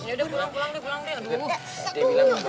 udah pulang pulang deh